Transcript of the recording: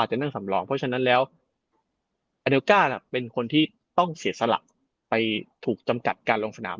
เพราะฉะนั้นแล้วอเดลก้าเป็นคนที่ต้องเสียสลับไปถูกจำกัดการลงสนาม